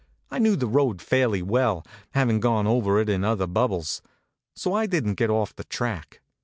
I knew the road fairly well, havin gone over it in other bubbles; so I didn t get off the track.